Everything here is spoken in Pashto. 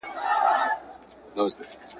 یو ګیدړ چي تر دا نورو ډېر هوښیار وو ..